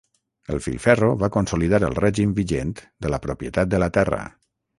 El filferro va consolidar el règim vigent de la propietat de la terra.